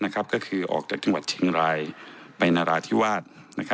ก็คือออกจากจังหวัดเชียงรายไปนราธิวาส